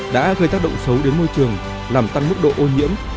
đã gây tác động xấu đến môi trường làm tăng mức độ ô nhiễm